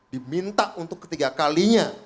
diminta untuk ketiga kalinya